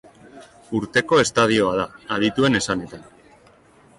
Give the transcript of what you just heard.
Urteko estadioa da, adituen esanetan.